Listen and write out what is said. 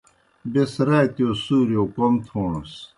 بیْس راتِیؤ سُورِیؤ کوْم تھوݨَس۔